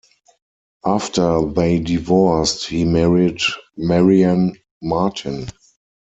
After they divorced, he married Marian Martin.